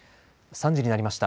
３時になりました。